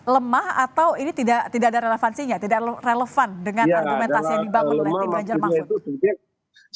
lemah atau ini tidak ada relevansinya tidak relevan dengan argumentasi yang dibangun nanti ganjar maksud